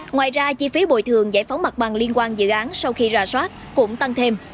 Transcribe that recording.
ngoài ra chi phí bồi thường giải phóng mặt bằng liên quan dự án sau khi ra soát cũng tăng thêm